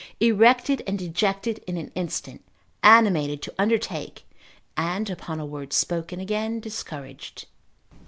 erected and dejected in an instant; animated to undertake, and upon a word spoken again discouraged.